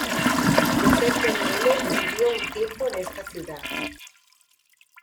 Josef Mengele vivió un tiempo en esta ciudad.